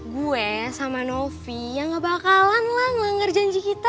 gue sama novi ya gak bakalan lah melanggar janji kita